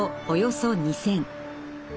およそ２，０００。